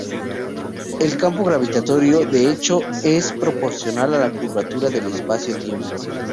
El campo gravitatorio de hecho es proporcional a la curvatura del espacio-tiempo.